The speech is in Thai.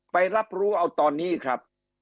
รับรู้เอาตอนนี้ครับ